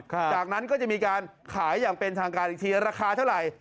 จากนั้นก็จะมีการขายอย่างเป็นทางการอีกทีราคาเท่าไหร่